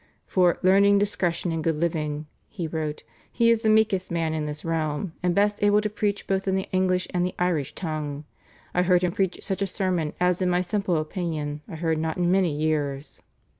"For learning, discretion, and good living," he wrote, "he is the meekest man in this realm, and best able to preach both in the English and the Irish tongue. I heard him preach such a sermon as in my simple opinion, I heard not in many years."